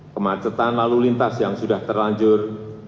kemacetan lalu lintas yang sudah terlanjur